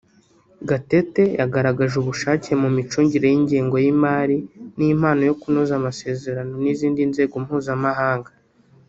Gatete yagaragaje ubushake mu micungire y’ingengo y’imari n’impano yo kunoza amasezerano n’izindi nzego mpuzamahanga